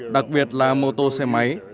đặc biệt là mô tô xe máy